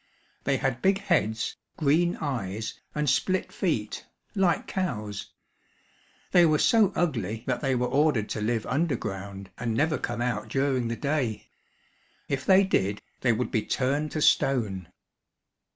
They had big heads, green eyes and split feet, like cows. They were so ugly, that they were ordered to live under ground and never come out during the day. If they did, they would be turned to stone.